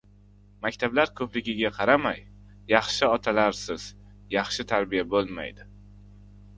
Maktablar ko‘pligiga qaramay, yaxshi otalarsiz yaxshi tarbiya bo‘lmaydi.